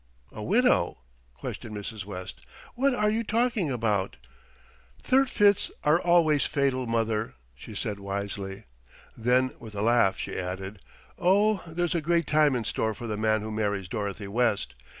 "A widow!" questioned Mrs. West. "What are you talking about?" "Third fits are always fatal, mother," she said wisely. Then with a laugh she added, "Oh, there's a great time in store for the man who marries Dorothy West.